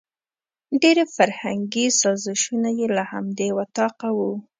ډېري فرهنګي سازشونه یې له همدې وطاقه وو.